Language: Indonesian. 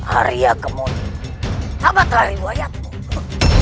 arya kemungkinan habatlah rilwayatmu